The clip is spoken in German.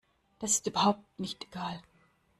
Das ist überhaupt nicht egal.